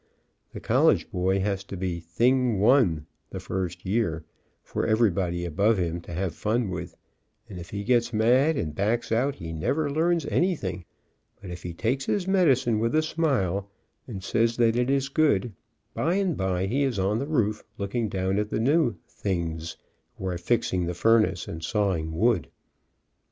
The college boy has to be a "thing 1 " the first year, for everybody above him to have fun with, and if he gets mad and backs out, he never learns anything, but if he takes his medicine with a smile, and says that it is good, by and by he is on the roof, looking down at the new "things" who are fixing the furnace and saw ing wood.